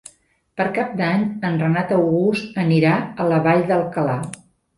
Per Cap d'Any en Renat August anirà a la Vall d'Alcalà.